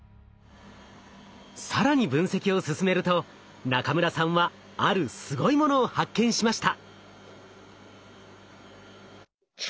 更に分析を進めると中村さんはあるすごいものを発見しました！